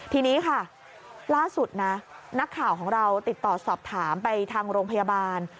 ทีนี้ค่ะล่าสุดนะนักข่าวของเราติดต่อสอบถามไปทางโรงพยาบาล